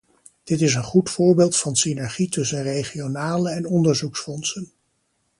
Dit is een goed voorbeeld van synergie tussen regionale en onderzoeksfondsen.